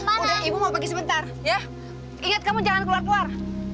mau deh ibu mau pergi sebentar ya ingat kamu jangan keluar keluar